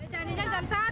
jangan jangan jam satu